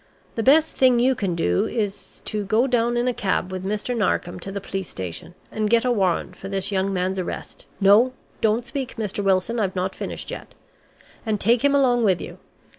The best thing you can do is to go down in a cab with Mr. Narkom to the police station, and get a warrant for this young man's arrest no, don't speak, Mr. Wilson, I've not finished yet and take him along with you.